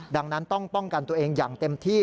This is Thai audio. ดังนั้นต้องป้องกันตัวเองอย่างเต็มที่